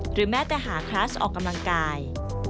แม้แต่หาคลาสออกกำลังกาย